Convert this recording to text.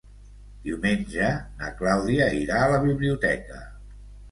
Diumenge na Clàudia irà a la biblioteca.